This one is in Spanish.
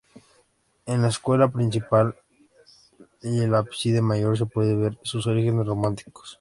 En la puerta principal y el ábside mayor se pueden ver sus orígenes románicos.